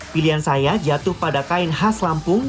pilihan saya jatuh pada kain khas lampung